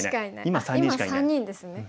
今３人ですね。